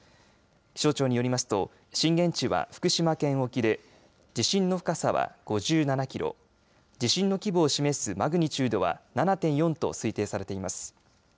気象庁によりますと震源地は福島県沖で地震の深さは５７キロ、地震の規模を示すマグニチュードは７．４と推定されています。